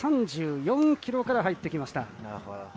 １３４キロから入ってきました。